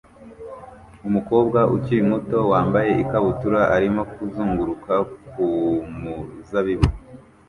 Umukobwa ukiri muto wambaye ikabutura arimo kuzunguruka ku muzabibu